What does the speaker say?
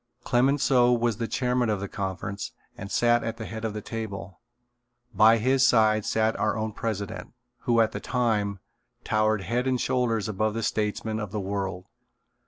Clemenceau was the chairman of the conference and sat at the head of the table. By his side sat our own president, who at that time, towered head and shoulders above the statesmen of the world.